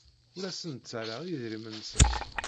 Ur asen-d-ttarraɣ idrimen-nsen.